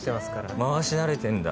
回し慣れてんだ。